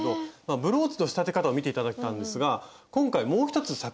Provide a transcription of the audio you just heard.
ブローチの仕立て方を見て頂いたんですが今回もう一つ作品がありますよね。